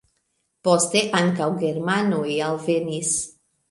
Poste ankaŭ germanoj alvenis.